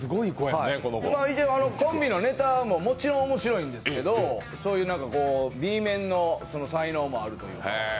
コンビのネタももちろん面白いんですけど、そういうＢ面の才能もあるという。